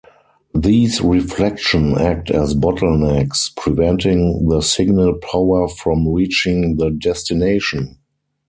These reflections act as bottlenecks, preventing the signal power from reaching the destination.